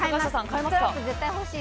ストラップ絶対欲しい。